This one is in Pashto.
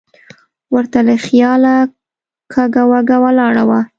ور ته له خیاله کوږه وږه ولاړه وه.